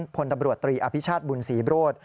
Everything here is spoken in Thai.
พลตำรวจตรีอภิชาติบุญศรีโรธ